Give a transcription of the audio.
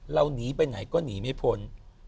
เราหนีไปไหนก็หนีไม่พ้น